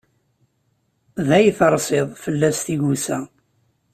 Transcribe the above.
Day teṛṣiḍ, fell-as tigusa.